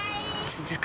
続く